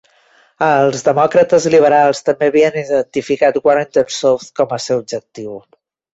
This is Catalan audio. Els demòcrates liberals també havien identificat Warrington South com a seu objectiu.